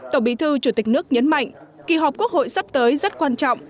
tổng bí thư chủ tịch nước nhấn mạnh kỳ họp quốc hội sắp tới rất quan trọng